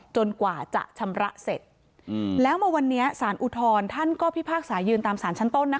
กว่าจะชำระเสร็จแล้วมาวันนี้สารอุทธรณ์ท่านก็พิพากษายืนตามสารชั้นต้นนะคะ